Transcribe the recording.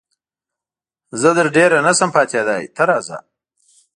زه تر ډېره نه شم پاتېدای، ته راځه.